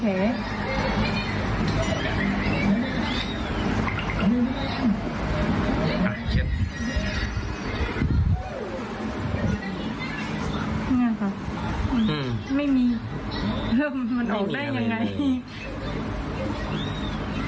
มันออกได้ยังไง